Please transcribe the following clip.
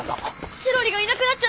チロリがいなくなっちゃった！